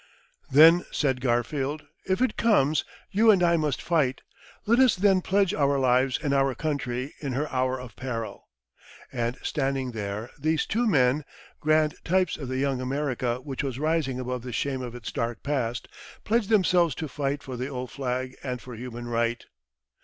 Then said Garfield, "If it comes, you and I must fight; let us then pledge our lives to our country in her hour of peril." And standing there, these two men, grand types of the Young America which was rising above the shame of its dark past, pledged themselves to fight for the old flag and for human right.